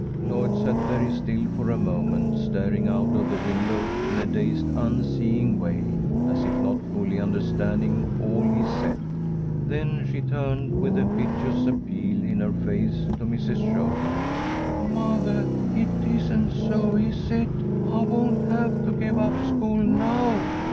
Lloyd sat very still for a moment, staring out of the window in a dazed, unseeing way, as if not fully understanding all he said. Then she turned with a piteous appeal in her face to Mrs. Sherman. "Mothah, it isn't so, is it? I won't have to give up school now!